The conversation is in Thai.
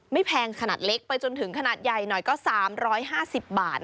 แพงขนาดเล็กไปจนถึงขนาดใหญ่หน่อยก็๓๕๐บาท